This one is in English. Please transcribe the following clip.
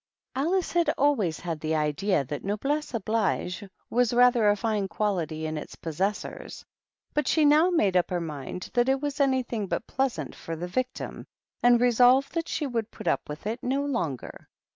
Alice had always had the idea that noblesse oblige was rather a fine quality in its possessors, but she now made up her mind that it was any thing but pleasant for the victim, and resolved that she would put up with it no longer.